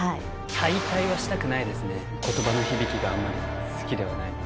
敗退はしたくないですね、ことばの響きがあんまり好きではないので。